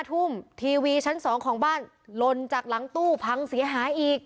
ทุ่มทีวีชั้น๒ของบ้านลนจากหลังตู้พังเสียหายอีก